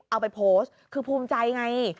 เอาไปโพสต์คือภูมิใจไง